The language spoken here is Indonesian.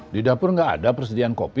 di dapur nggak ada persediaan kopi